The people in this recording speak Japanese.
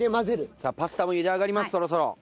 さあパスタもゆで上がりますそろそろ。